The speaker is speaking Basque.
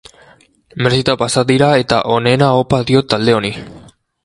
Merezita pasa dira eta onena opa diot talde honi.